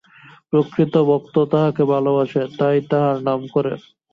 প্রকৃত ভক্ত তাঁহাকে ভালবাসে, তাই তো তাঁহার নাম করে।